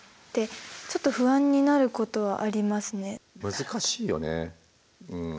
難しいよねうん。